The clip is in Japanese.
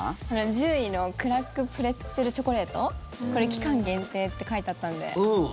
１０位のクラックプレッツェルチョコレートこれ、期間限定って書いてあったので。